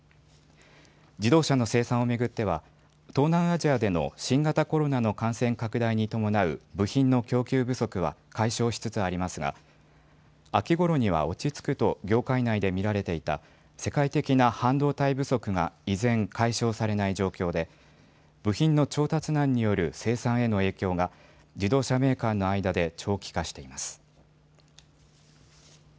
自動車の生産を巡っては東南アジアでの新型コロナの感染拡大に伴う部品の供給不足は解消しつつありますが秋ごろには落ち着くと業界内で見られていた世界的な半導体不足が依然解消されない状況で部品の調達難による生産への影響が自動車メーカーの間で長期化しています。